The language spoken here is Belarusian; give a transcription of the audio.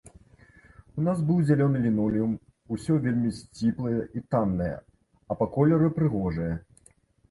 У нас быў зялёны лінолеум, усё вельмі сціплае і таннае, а па колеры прыгожае.